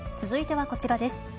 続いてはこちらです。